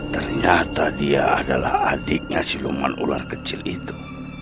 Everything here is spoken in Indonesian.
ternyata dia adalah adiknya siluman ular kecil itu